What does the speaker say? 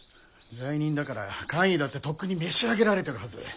罪人だから官位だってとっくに召し上げられてるはず。